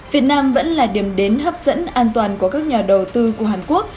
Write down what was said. việt nam vẫn là điểm đến hấp dẫn an toàn của các nhà đầu tư của hàn quốc